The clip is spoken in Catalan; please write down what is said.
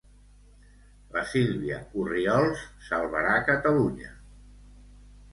La Sílvia Orriols salvarà Catalunya.